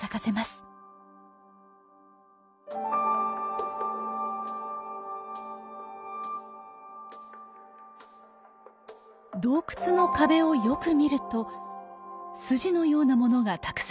洞窟の壁をよく見ると筋のようなものがたくさん見えます。